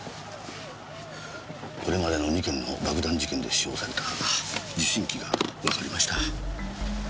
これまでの２件の爆弾事件で使用された受信機がわかりました。